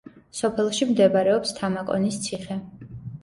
სოფელში მდებარეობს თამაკონის ციხე.